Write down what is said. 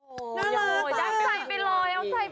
โอ้โหย๊